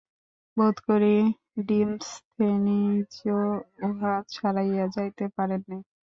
বোধ করি ডিমসথেনীজও উহা ছাড়াইয়া যাইতে পারেন নাই।